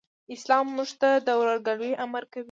اسلام موږ ته د ورورګلوئ امر کوي.